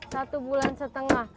satu bulan setengah